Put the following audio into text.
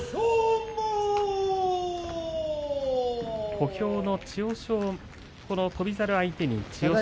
小兵の翔猿相手に千代翔